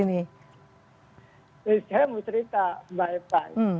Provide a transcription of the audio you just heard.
saya mau cerita baik baik